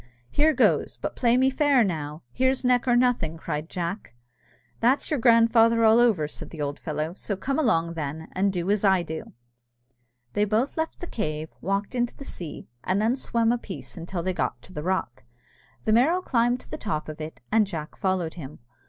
Here goes but play me fair now. Here's neck or nothing!" cried Jack. "That's your grandfather all over," said the old fellow; "so come along, then, and do as I do." They both left the cave, walked into the sea, and then swam a piece until they got to the rock. The Merrow climbed to the top of it, and Jack followed him.